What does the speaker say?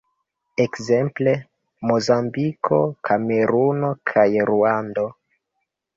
Ekzemple, Mozambiko, Kameruno kaj Ruando.